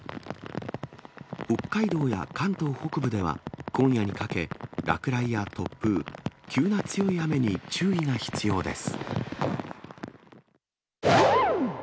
北海道や関東北部では、今夜にかけ、落雷や突風、急な強い雨に注意が必要です。